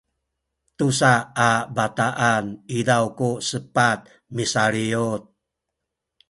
tusa a bataan izaw ku sepat misaliyut